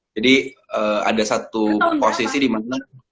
jadi ada satu posisi di mana